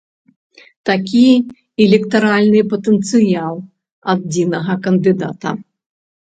Такі электаральны патэнцыял адзінага кандыдата.